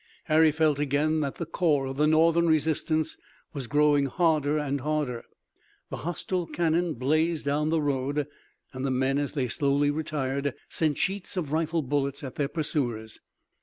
Harry felt again that the core of the Northern resistance was growing harder and harder. The hostile cannon blazed down the road, and the men as they slowly retired sent sheets of rifle bullets at their pursuers.